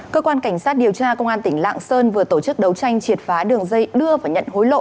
cơ quan cảnh sát điều tra công an tỉnh lạng sơn vừa tổ chức đấu tranh triệt phá đường dây đưa và nhận hối lộ